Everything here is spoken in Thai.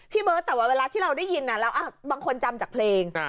เบิร์ตแต่ว่าเวลาที่เราได้ยินบางคนจำจากเพลง